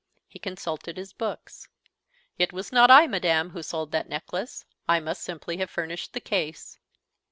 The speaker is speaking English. He consulted his books. "It was not I, madame, who sold that necklace; I must simply have furnished the case."